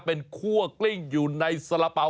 เป็นคั่วกลิ้งอยู่ในสระเป๋า